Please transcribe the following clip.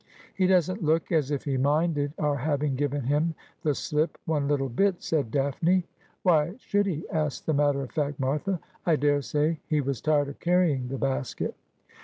' He doesn't look as if he minded our having given him the slip one little bit,' said Daphne. ' Why should he ?' asked the matter of fact Martha. ' I daresay he was tired of carrying the basket.'